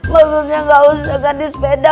maksudnya nggak usah kan di sepeda